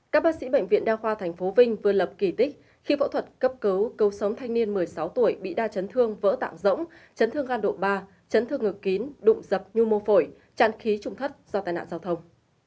các bác sĩ bệnh viện đa khoa tp vinh vừa lập kỳ tích khi phẫu thuật cấp cứu cấu sống thanh niên một mươi sáu tuổi bị đa chấn thương vỡ tạm rỗng chấn thương gan độ ba chấn thương ngực kín đụng dập nhu mô phổi tràn khí trụng thấp do tai nạn giao thông